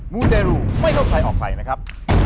มูเดรูไม่รบใครออกไข่นะครับ